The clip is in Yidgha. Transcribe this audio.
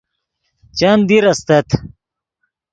چند دیر استت